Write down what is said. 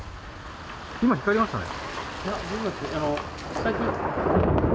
今、光りましたね。